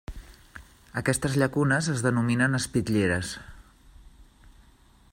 Aquestes llacunes es denominen espitlleres.